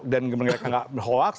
dan memang tidak hoaks